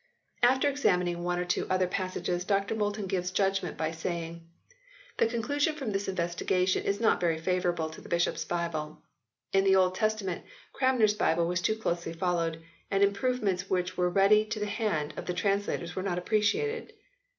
After examining one or two other passages Dr Moulton gives judgment by saying : "The conclusion from this investigation is not very favour able to the Bishops Bible. In the Old Testament Cranmer s Bible was too closely followed and im provements which were ready to the hand of the translators were not appreciated.